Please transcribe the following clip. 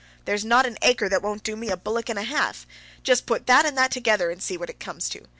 There's not an acre that won't do me a bullock and a half. Just put that and that together, and see what it comes to.